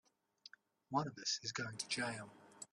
One of us is going to jail!